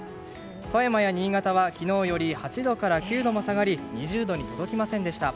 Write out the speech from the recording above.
富山や新潟は昨日より８度から９度も下がり２０度に届きませんでした。